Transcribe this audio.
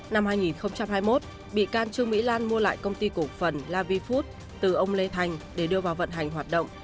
năm hai nghìn hai mươi một bị can trương mỹ lan mua lại công ty cổ phần lavifood từ ông lê thành để đưa vào vận hành hoạt động